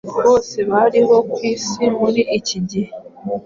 bose bariho ku isi muri iki gihe,